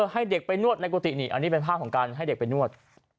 ให้เด็กไปนวดในกุฏินี่อันนี้เป็นภาพของการให้เด็กไปนวด